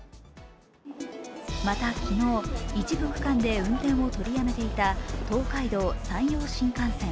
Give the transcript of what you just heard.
また昨日、一部区間で運転を取りやめていた東海道・山陽新幹線。